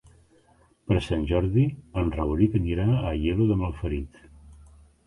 Per Sant Jordi en Rauric anirà a Aielo de Malferit.